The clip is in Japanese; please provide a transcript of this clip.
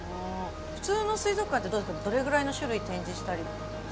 普通の水族館ってどれぐらいの種類展示したりしてるんですか？